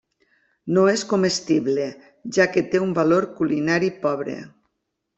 No és comestible, ja que té un valor culinari pobre.